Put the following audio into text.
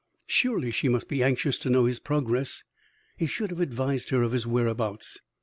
Surely she must be anxious to know his progress. He should have advised her of his whereabouts.